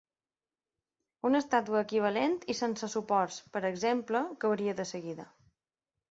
Una estàtua equivalent i sense suports, per exemple, cauria de seguida.